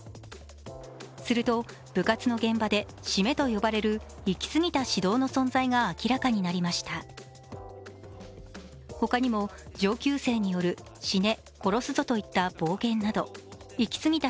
すると部活の現場でシメと呼ばれる行きすぎた指導の存在が明らかになりました。